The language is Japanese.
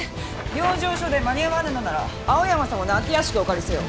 養生所で間に合わぬのなら青山様の空き屋敷をお借りせよ！